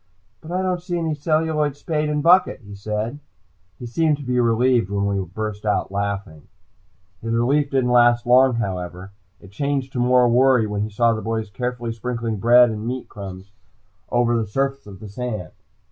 "But I don't see any celluloid spade and bucket," he said. He seemed relieved when we burst out laughing. His relief didn't last long, however. It changed to more worry when he saw the boys carefully sprinkling bread and meat crumbs over the surface of the sand.